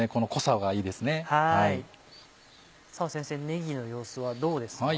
ねぎの様子はどうですか？